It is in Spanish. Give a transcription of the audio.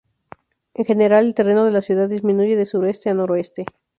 En general, el terreno de la ciudad disminuye de sureste a noroeste.